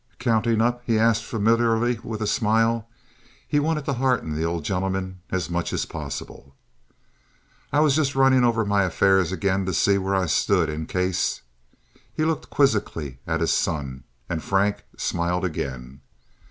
"Counting up?" he asked, familiarly, with a smile. He wanted to hearten the old gentleman as much as possible. "I was just running over my affairs again to see where I stood in case—" He looked quizzically at his son, and Frank smiled again.